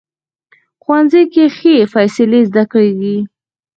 ښوونځی کې ښې فیصلې زده کېږي